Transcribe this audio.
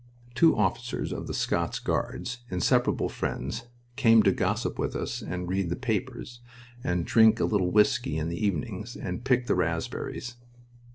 Two officers of the Scots Guards, inseparable friends, came to gossip with us, and read the papers, and drink a little whisky in the evenings, and pick the raspberries.